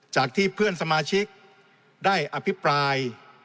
จากที่เพื่อนสมาชิกได้อภิปราย